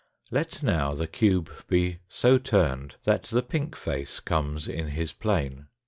Let now the cube be so turned that the pink face comes in his plane.